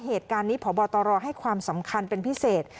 เหตุการณ์นี้พบตรให้ความสำคัญเป็นพิเศษ